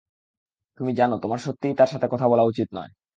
তুমি জানো, তোমার সত্যিই তার সাথে কথা বলা উচিত নয়।